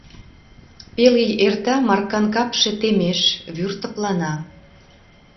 Пел ий эрта — Маркан капше темеш, вӱр тыплана.